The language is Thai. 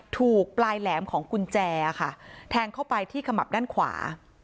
ถูกปลายแหลมของกุญแจค่ะแทงเข้าไปที่ขมับด้านขวา